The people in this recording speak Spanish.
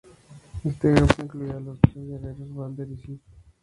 Este grupo incluía a los Tres Guerreros, Balder y Sif.